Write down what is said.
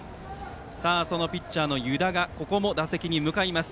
ピッチャーの湯田がここも打席に向かいます。